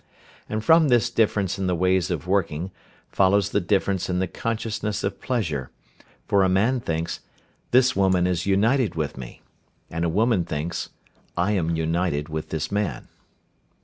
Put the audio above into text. And from this difference in the ways of working follows the difference in the consciousness of pleasure, for a man thinks, "this woman is united with me," and a woman thinks, "I am united with this man."